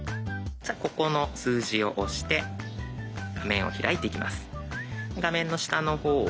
じゃここの数字を押して画面を開いていきます。